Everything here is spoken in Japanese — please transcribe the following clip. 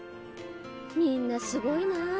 みんなすごいなあ。